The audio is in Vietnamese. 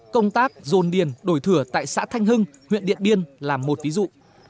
công tác dồn điền đổi thừa tại xã thanh hưng huyện điện biên là một ví dụ